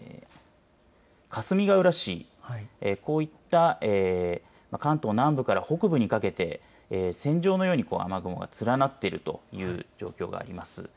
かすみがうら市こういった関東南部から北部にかけて線状のように雨雲が連なっているという状況があります。